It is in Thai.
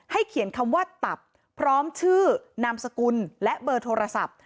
เขียนคำว่าตับพร้อมชื่อนามสกุลและเบอร์โทรศัพท์